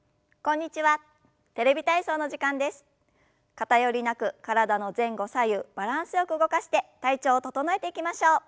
偏りなく体の前後左右バランスよく動かして体調を整えていきましょう。